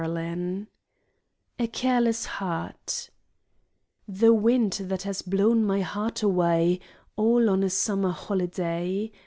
77 \ A CARELESS HEART The wind has blown my heart away All on a summer holiday.